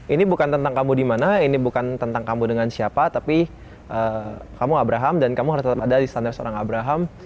ini bukan tentang kamu di mana ini bukan tentang kamu dengan siapa tapi kamu abraham dan kamu harus tetap ada di standar seorang abraham